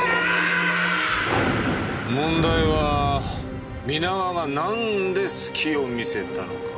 問題は皆川がなんですきを見せたのか。